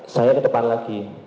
saya ke depan lagi